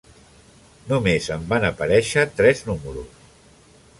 Només en van aparèixer tres números.